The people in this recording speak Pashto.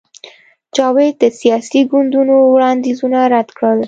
جاوید د سیاسي ګوندونو وړاندیزونه رد کړل